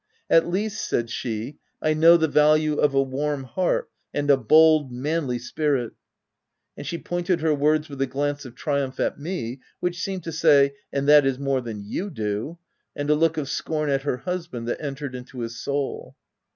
" At least," said she, " I know the value of a warm heart and a bold, manly spirit !" And she pointed her words with a glance of triumph at me, which seemed to say, u And that is more than you do," and a look of scorn at her husband, that entered into his soul.